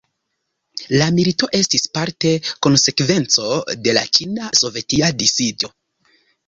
La milito estis parte konsekvenco de la Ĉina-sovetia disiĝo.